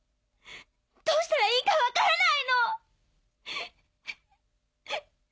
どうしたらいいか分からないの！